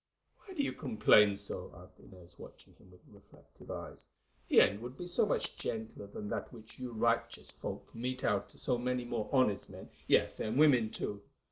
"Why do you complain so?" asked Inez, watching him with reflective eyes. "The end would be much gentler than that which you righteous folk mete out to many more honest men, yes, and women too.